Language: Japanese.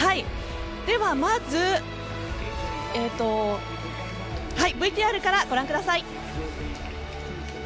ではまずＶＴＲからご覧ください。